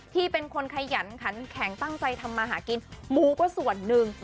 ที่เป็นคนขยันขันแข็งตั้งใจทำมาหากินหมูก็ส่วนหนึ่ง